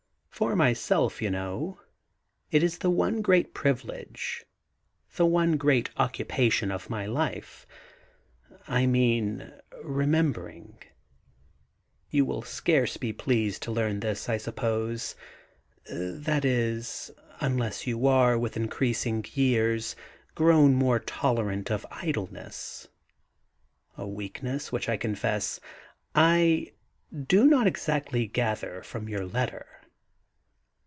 For myself, you know, it is the one great privilege, the one great occupation of my life — I mean remembering. You will scarce be pleased to learn this, I suppose; — ^that is, unless you are, with increasing years, grown more tolerant of idleness — a weakness which I confess I do THE GARDEN GOD not exactly gather from your letter.